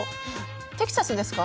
テキサスですか？